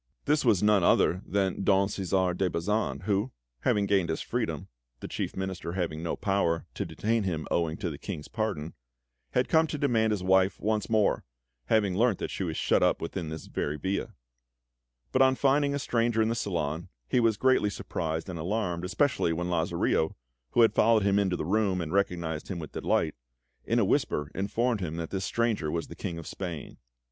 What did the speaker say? This was none other than Don Cæsar de Bazan, who, having gained his freedom (the Chief Minister having no power to detain him owing to the King's pardon), had come to demand his wife once more, having learnt that she was shut up within this very villa; but on finding a stranger in the salon, he was greatly surprised and alarmed, especially when Lazarillo (who had followed him into the room, and recognised him with delight) in a whisper informed him that this stranger was the King of Spain.